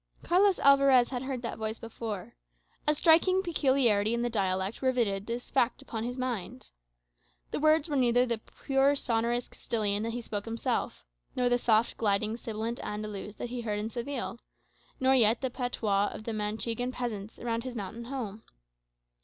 Carlos Alvarez had heard that voice before. A striking peculiarity in the dialect rivetted this fact upon his mind. The words were neither the pure sonorous Castilian that he spoke himself, nor the soft gliding sibilant Andaluz that he heard in Seville, nor yet the patois of the Manchegan peasants around his mountain home.